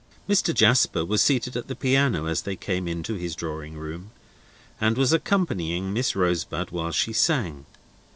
Mr. Jasper was seated at the piano as they came into his drawing room, and was accompanying Miss Rosebud while she sang.